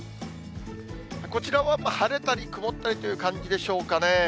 こちらは晴れたり曇ったりという感じでしょうかね。